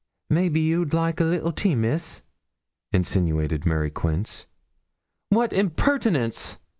'Maybe you'd like a little tea, Miss?' insinuated Mary Quince. 'What impertinence!'